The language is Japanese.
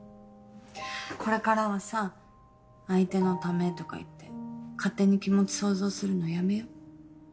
これからはさ相手のためとか言って勝手に気持ち想像するのやめよ。